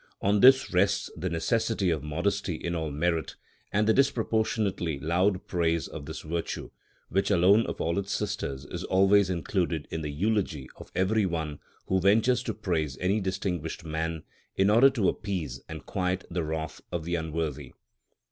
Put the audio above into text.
On this rests the necessity of modesty in all merit, and the disproportionately loud praise of this virtue, which alone of all its sisters is always included in the eulogy of every one who ventures to praise any distinguished man, in order to appease and quiet the wrath of the unworthy.